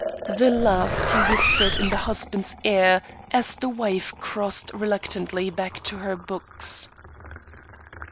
The last he whispered in the husband's ear as the wife crossed reluctantly back to her books.